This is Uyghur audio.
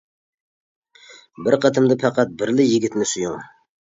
بىر قېتىمدا پەقەت بىرلا يىگىتنى سۆيۈڭ.